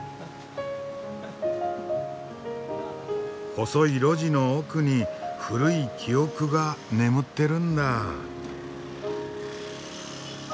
細い路地の奥に古い記憶が眠ってるんだ。